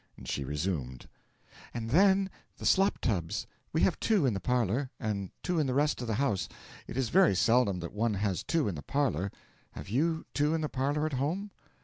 She resumed: 'And then the slop tubs. We have two in the parlour, and two in the rest of the house. It is very seldom that one has two in the parlour. Have you two in the parlour at home?'